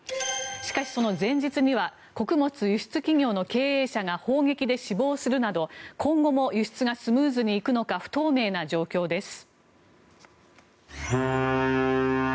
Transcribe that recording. しかし、その前日には穀物輸出企業の経営者が砲撃で死亡するなど今後も輸出がスムーズにいくのか不透明な状況です。